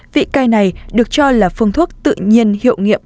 vị cây này được cho là phương thuốc tự nhiên hiệu nghiệp